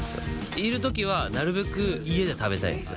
いれるときはなるべく家で食べたいんですよ